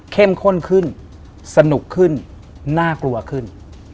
ข้นขึ้นสนุกขึ้นน่ากลัวขึ้น